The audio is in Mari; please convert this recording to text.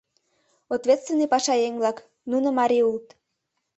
Ответственный пашаеҥ-влак, нуно марий улыт.